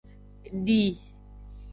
Di.